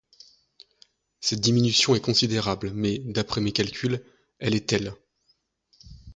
Cette diminution est considérable, mais, d’après mes calculs, elle est telle.